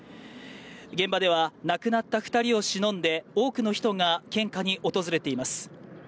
現場では亡くなった２人をしのんで多くの人が献花に訪れています。